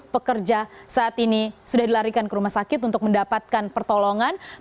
pekerja saat ini sudah dilarikan ke rumah sakit untuk mendapatkan pertolongan